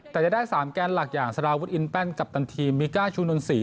แต่จะได้๓แกนหลักอย่างสารวุฒิอินแป้นกัปตันทีมมิก้าชูนนศรี